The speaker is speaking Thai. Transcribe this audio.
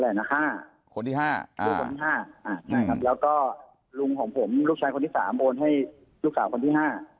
แล้วก็ลุงของผมลูกชายคนที่สามโอนให้ลูกสาวคนที่๕